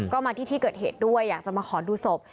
ก็มาที่ที่เกิดเหตุด้วยอยากจะมาขอดูศพ